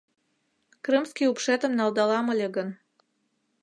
Крымский упшетым налдалам ыле гын